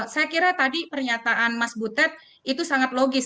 saya kira tadi pernyataan mas butet itu sangat logis